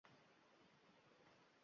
Ko‘rganlar albatta tushunadi.